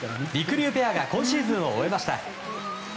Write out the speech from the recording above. りゅうペアが今シーズンを終えました。